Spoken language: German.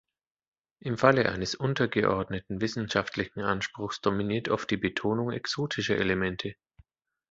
Im Falle eines untergeordneten wissenschaftlichen Anspruchs dominiert oft die Betonung exotischer Elemente.